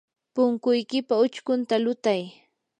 punkuykipa uchkunta lutay.